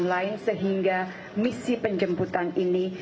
dan lain lain sehingga misi penjemputan ini